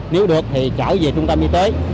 nếu được thì trở về trung tâm y tế